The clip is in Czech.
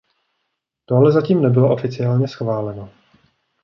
To ale zatím nebylo oficiálně schváleno.